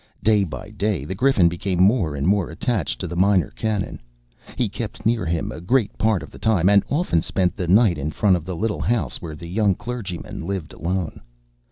Day by day the Griffin became more and more attached to the Minor Canon. He kept near him a great part of the time, and often spent the night in front of the little house where the young clergyman lived alone.